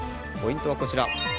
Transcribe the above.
ポイントはこちら。